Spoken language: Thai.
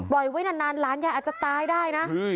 ไว้นานหลานยายอาจจะตายได้นะ